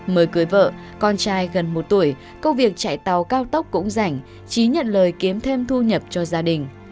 mườ cưới vợ con trai gần một tuổi công việc chạy tàu cao tốc cũng rảnh trí nhận lời kiếm thêm thu nhập cho gia đình